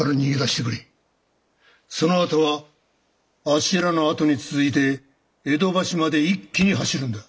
そのあとはあっしらの後に続いて江戸橋まで一気に走るんだ。